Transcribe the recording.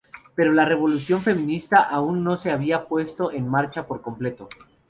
Pero la revolución feminista aún no se había puesto en marcha por completo.